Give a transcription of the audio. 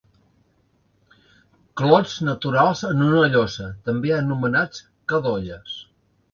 Clots naturals en una llosa, també anomenats cadolles.